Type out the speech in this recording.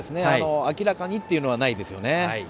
明らかにっていうのはないですよね。